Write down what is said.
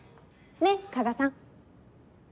ねっ加賀さん。